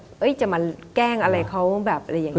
จะมาแกล้งอะไรเขาแบบอะไรอย่างนี้